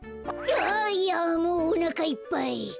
あいやもうおなかいっぱい。